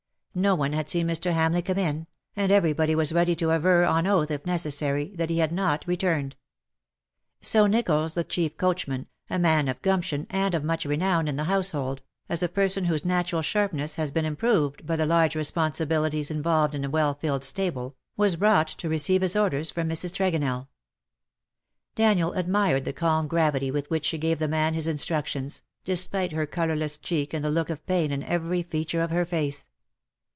No one had seen Mr. Hamleigh come in, and everybody was ready to aver on oath if necessary that he had not returned. So Nicholls, the chief coachman, a man of gumption and of much renown in the household, as a person whose natural sharpness had been im proved by the large responsibilities involved in a well filled stable, was brought to receive his orders STILL COME NEW WOES." 15 from Mrs. Tregonell. Daniel admired the calm gravity with which she gave the man his instruc tions, despite her colourless cheek and the look of pain in every feature of her face.